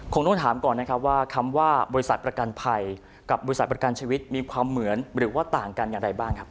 คงต้องถามก่อนนะครับว่าคำว่าบริษัทประกันภัยกับบริษัทประกันชีวิตมีความเหมือนหรือว่าต่างกันอย่างไรบ้างครับ